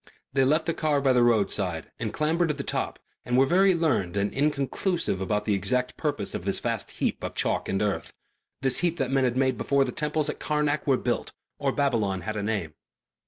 They left the car by the roadside and clambered to the top and were very learned and inconclusive about the exact purpose of this vast heap of chalk and earth, this heap that men had made before the temples at Karnak were built or Babylon had a name.